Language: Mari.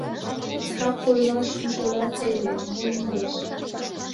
«Так ойлаш, ужына теве — мо лиеш.